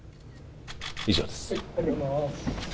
以上です。